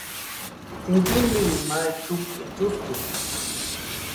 Intsïmirini ma echukwa echuskuta.